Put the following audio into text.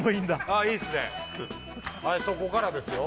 はいそこからですよ